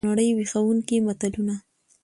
دنړۍ ویښوونکي متلونه!